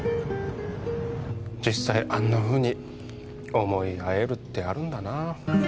実際あんなふうに思い合えるってあるんだな